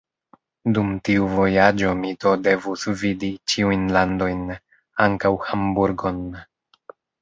Dum tiu vojaĝo mi do devus vidi ĉiujn landojn, ankaŭ Hamburgon.